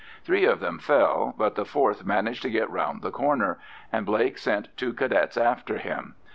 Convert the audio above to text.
Three of them fell, but the fourth managed to get round the corner, and Blake sent two Cadets after him.